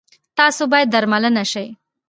تاسو باید درملنه شی